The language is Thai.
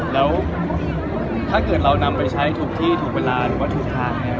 แล้วถ้าเกิดเรานำไปใช้ถูกที่ถูกเวลาหรือว่าถูกทางเนี่ย